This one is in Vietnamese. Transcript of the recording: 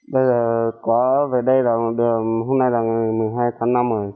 bây giờ có về đây là hôm nay là ngày một mươi hai tháng năm rồi